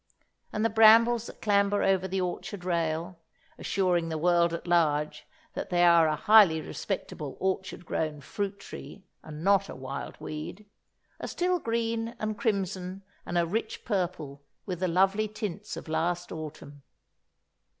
And the brambles that clamber over the orchard rail—assuring the world at large that they are a highly respectable orchard grown fruit tree, and not a wild weed—are still green and crimson and a rich purple with the lovely tints of last autumn.